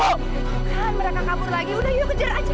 mereka kabur lagi udah yuk kejar aja